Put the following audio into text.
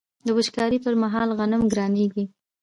د وچکالۍ پر مهال غنم ګرانیږي.